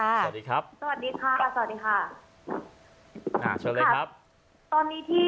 สวัสดีครับสวัสดีค่ะสวัสดีค่ะอ่าเชิญเลยครับตอนนี้ที่